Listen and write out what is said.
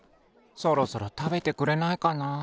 そろそろたべてくれないかな。